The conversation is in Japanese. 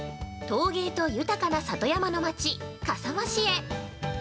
陶芸と豊かな里山の町、笠間市へ。